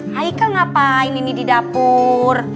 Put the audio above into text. haikal ngapain ini di dapur